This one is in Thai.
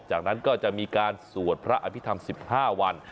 จากนั้นก็จะมีการสวดพระอภิษฐรรม๑๕วัน